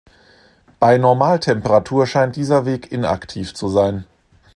Bei Normaltemperatur scheint dieser Weg inaktiv zu sein.